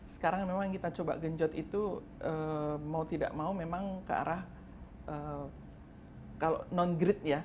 sekarang memang yang kita coba genjot itu mau tidak mau memang ke arah kalau non grid ya